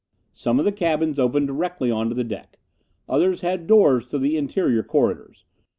Some of the cabins opened directly onto the deck. Others had doors to the interior corridors.